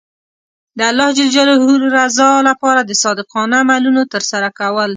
د الله رضا لپاره د صادقانه عملونو ترسره کول.